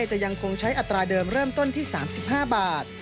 จะยังคงใช้อัตราเดิมเริ่มต้นที่๓๕บาท